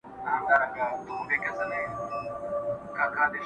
له سدیو تښتېدلی چوروندک دی؛